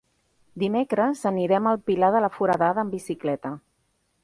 Dimecres anirem al Pilar de la Foradada amb bicicleta.